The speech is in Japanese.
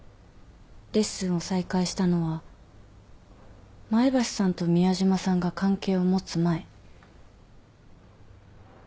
レッスンを再開したのは前橋さんと宮島さんが関係を持つ前。